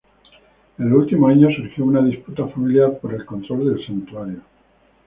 En los últimos años surgió una disputa familiar por el control del santuario.